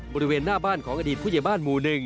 บริเวณหน้าบ้านของอดีตผู้ใหญ่บ้านหมู่๑